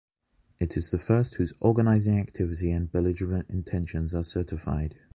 It is the first whose organizing activity and belligerent intentions are certified.